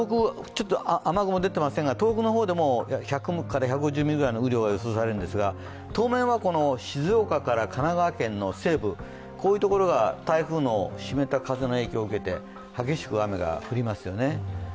雨雲が出ていませんが、東北でも１００から１５０ミリぐらいの雨量が予想されるんですが当面は静岡から神奈川県の西部、こういうところが台風の湿った風の影響を受けて激しく雨が降りますよね。